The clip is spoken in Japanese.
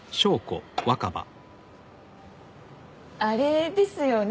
あれですよね